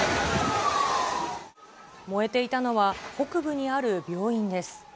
燃えていたのは、北部にある病院です。